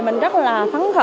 mình rất là phấn khởi